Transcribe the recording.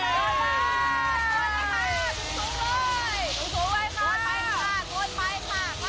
โกยเลยค่ะสุดท้ายค่ะสุดท้ายค่ะ